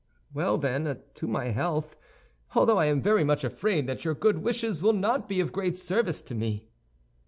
"Well, then, to my health! although I am very much afraid that your good wishes will not be of great service to me."